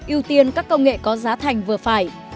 ưu tiên các công nghệ có giá thành vừa phải